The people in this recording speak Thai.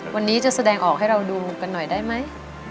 วันนี้จะแสดงออกให้เราดูกันหน่อยได้ไหม